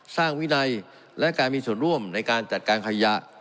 วินัยและการมีส่วนร่วมในการจัดการขยะ